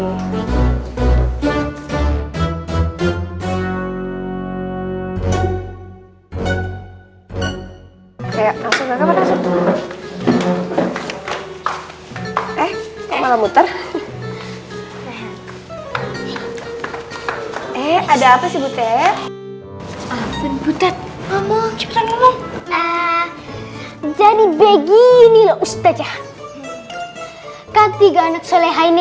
eh eh eh ada apa sih butet butet kamu cepet aja jadi begini ustadz ya kan tiga anak solehaini